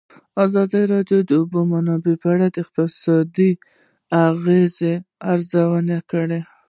ازادي راډیو د د اوبو منابع په اړه د اقتصادي اغېزو ارزونه کړې.